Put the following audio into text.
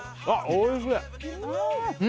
おいしい！